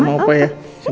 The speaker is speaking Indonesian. sama opah ya sayang